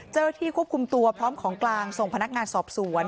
เจ้าหน้าที่ควบคุมตัวพร้อมของกลางส่งพนักงานสอบสวน